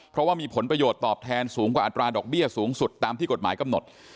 เพราะว่ามีผลประโยชน์ตอบแทนสูงกว่าอัตราดอกเบี้ยสูงสุดตามที่กฎหมายกำหนด